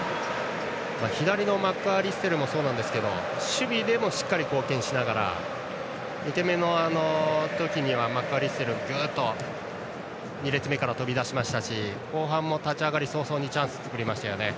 左のマックアリステルもそうですが守備でもしっかり貢献しながら２点目の時はマックアリステルがぐっと２列目から飛び出したし後半も立ち上がり早々からチャンスを作りましたよね。